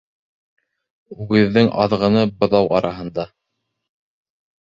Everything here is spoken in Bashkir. Үгеҙҙең аҙғыны быҙау араһында.